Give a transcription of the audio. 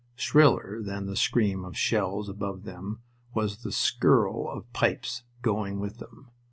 Shriller than the scream of shells above them was the skirl of pipes, going with them.